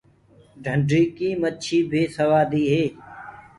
ڍنڊي ڪي مڇيٚ بي سوآديٚ هي۔